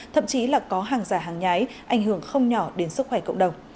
thậm chí là có hàng giả hàng nhái ảnh hưởng không nhỏ đến sức khỏe cộng đồng